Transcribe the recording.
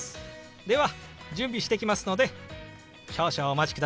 では準備してきますので少々お待ちくださいね。